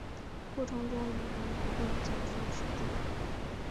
过程中有人不断教唆群众